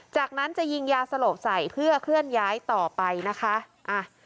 จากนั้นจะยิงยาสลบใส่เพื่อเคลื่อนย้ายต่อไปนะคะอ่ะ